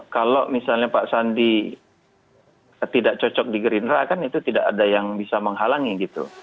kalau misalnya pak sandi tidak cocok di gerindra kan itu tidak ada yang bisa menghalangi gitu